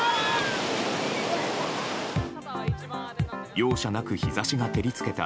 容赦なく日差しが照り付けた